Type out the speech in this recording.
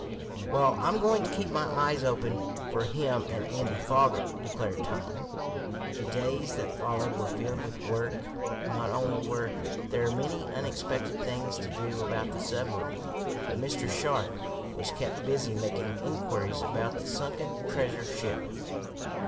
"Well, I'm going to keep my eyes open for him and Andy Foger," declared Tom. The days that followed were filled with work. Not only were there many unexpected things to do about the submarine, but Mr. Sharp was kept busy making inquiries about the sunken treasure ship.